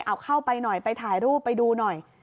เอาเข้าไปหน่อยไปถ่ายรูปไปดูหน่อย